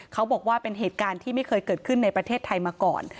เขาบอกว่าเป็นเหตุการณ์ที่ไม่เคยเกิดขึ้นในประเทศไทยมาก่อน